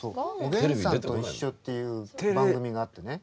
「おげんさんといっしょ」っていう番組があってね